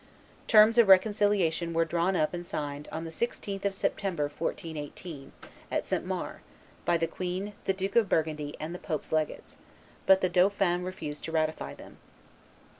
Terms of reconciliation were drawn up and signed on the 16th of September, 1418, at St. Maur, by the queen, the Duke of Burgundy, and the pope's legates; but the dauphin refused to ratify them.